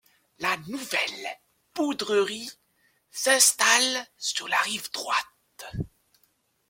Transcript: La nouvelle poudrerie s'installe sur la rive droite.